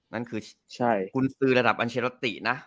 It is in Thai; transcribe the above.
นั่นคือคุณสื่อระดับเชรตินะ